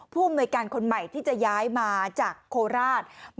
ผู้อำนวยการคนใหม่ที่จะย้ายมาจากโคราช